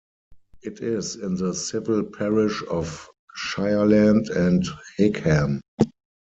It is in the civil parish of Shirland and Higham.